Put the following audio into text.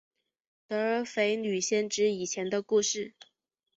德尔斐女先知以前的故事。